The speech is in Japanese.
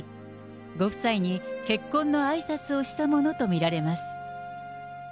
ご夫妻に結婚のあいさつをしたものと見られます。